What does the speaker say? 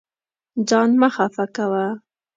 ځان مه خفه کوه.